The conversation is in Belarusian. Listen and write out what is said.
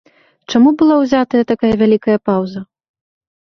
Чаму была ўзятая такая вялікая паўза?